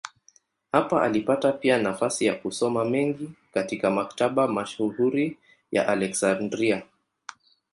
Hapa alipata pia nafasi ya kusoma mengi katika maktaba mashuhuri ya Aleksandria.